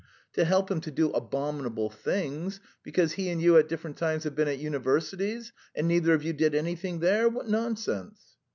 "To help him to do abominable things, because he and you at different times have been at universities, and neither of you did anything there! What nonsense!"